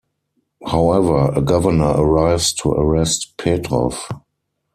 However, a governor arrives to arrest Petrov.